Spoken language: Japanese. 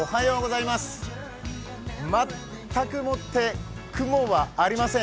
全くもって雲はありません。